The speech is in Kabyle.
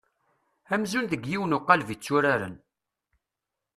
Amzun deg yiwen uqaleb i tturaren.